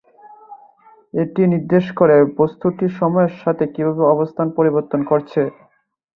এটি নির্দেশ করে বস্তুটি সময়ের সাথে কিভাবে অবস্থান পরিবর্তন করছে।